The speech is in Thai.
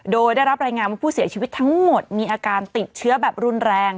โดยได้รับรายงานว่าผู้เสียชีวิตทั้งหมดมีอาการติดเชื้อแบบรุนแรง